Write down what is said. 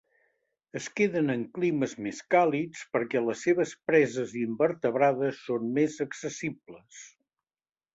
Es queden en climes més càlids perquè les seves preses invertebrades són més accessibles.